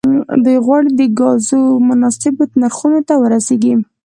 دوی غواړي د ګازو مناسبو نرخونو ته ورسیږي